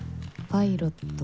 パイロット！？